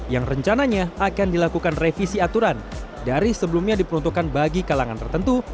yang rencananya akan dilakukan revisi aturan dari sebelumnya diperuntukkan bagi kalangan tertentu